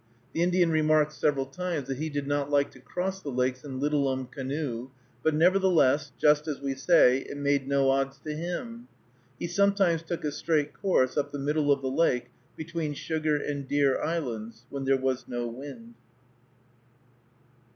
The Indian remarked several times that he did not like to cross the lakes "in littlum canoe," but nevertheless, "just as we say, it made no odds to him." He sometimes took a straight course up the middle of the lake between Sugar and Deer islands, when there was no wind.